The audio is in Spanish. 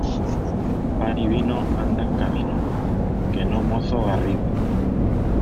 Pan y vino andan camino, que no mozo garrido.